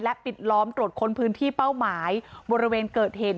ปิดล้อมตรวจค้นพื้นที่เป้าหมายบริเวณเกิดเหตุ